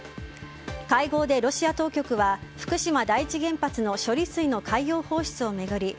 会合でロシア当局は福島第一原発の処理水の海洋放出を巡り